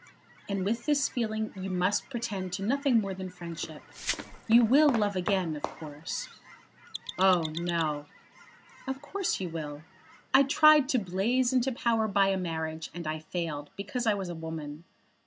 And with this feeling you must pretend to nothing more than friendship. You will love again, of course." "Oh, no." "Of course you will. I tried to blaze into power by a marriage, and I failed, because I was a woman.